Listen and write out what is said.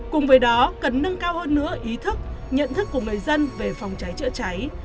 cùng với đó cần nâng cao hơn nữa ý thức nhận thức của người dân về phòng cháy chữa cháy